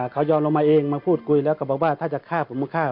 เขายอมลงมาเองมาพูดคุยแล้วก็บอกว่าถ้าจะฆ่าผมก็ฆ่า